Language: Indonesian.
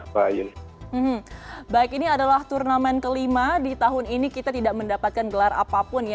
baik ini adalah turnamen kelima di tahun ini kita tidak mendapatkan gelar apapun ya